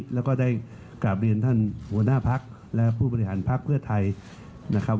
แล้วก็ได้กราบเรียนท่านหัวหน้าพักและผู้บริหารพักเพื่อไทยนะครับ